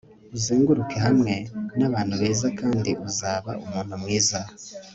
uzenguruke hamwe n'abantu beza kandi uzaba umuntu mwiza